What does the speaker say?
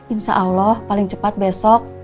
insya allah paling cepat besok